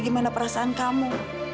aku mengerti perasaan kamu